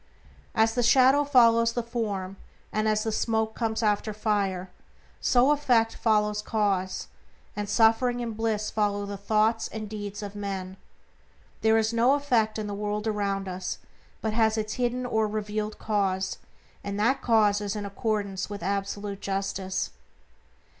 As the shadow follows the form, and as smoke comes after fire, so effect follows cause, and suffering and bliss follow the thoughts and deeds of men. There is no effect in the world around us but has its hidden or revealed cause, and that cause is in accordance with absolute justice.